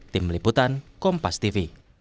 tim liputan kompas tv